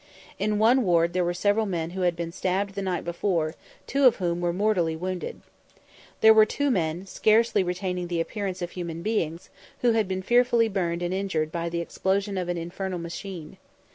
In one ward there were several men who had been stabbed the night before, two of whom were mortally wounded. There were two men, scarcely retaining the appearance of human beings, who had been fearfully burned and injured by the explosion of an infernal machine.